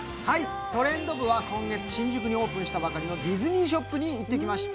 トレンド部は今月、新宿にオープンしたばかりのディズニーショップに行ってきました。